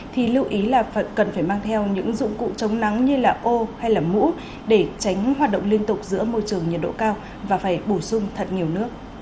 thì lưu ý là cần phải mang theo những dụng cụ chống nắng như là ô hay là mũ để tránh hoạt động liên tục giữa môi trường nhiệt độ cao và phải bổ sung thật nhiều nước